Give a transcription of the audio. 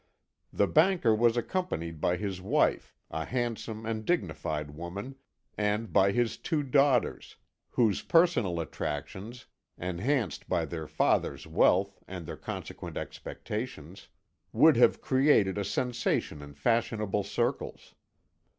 The banker was accompanied by his wife, a handsome and dignified woman, and by his two daughters, whose personal attractions, enhanced by their father's wealth and their consequent expectations, would have created a sensation in fashionable circles.